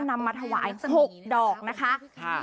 นำมาถวาย๖ดอกนะคะ